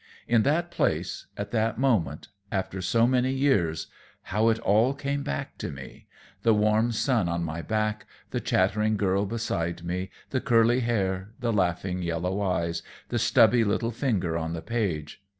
In that place, at that moment, after so many years, how it all came back to me the warm sun on my back, the chattering girl beside me, the curly hair, the laughing yellow eyes, the stubby little finger on the page!